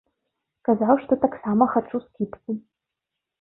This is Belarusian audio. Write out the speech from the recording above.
Казаў, што таксама хачу скібку.